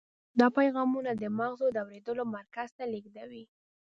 دا پیغامونه د مغزو د اورېدلو مرکز ته لیږدوي.